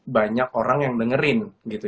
banyak orang yang dengerin gitu